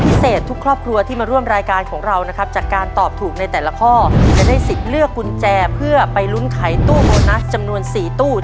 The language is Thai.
ทุกครอบครัวที่มาร่วมรายการของเรานะครับจากการตอบถูกในแต่ละข้อจะได้สิทธิ์เลือกกุญแจเพื่อไปลุ้นไขตู้โบนัสจำนวน๔ตู้